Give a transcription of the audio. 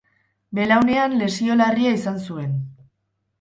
Belaunean lesio larria izan zuen.